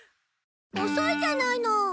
遅いじゃないの。